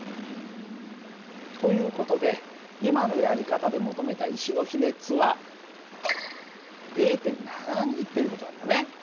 という事で今のやり方で求めた石の比熱は０．７２という事なんだね。